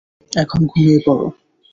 এখন ঘুমিয়ে পড়ো।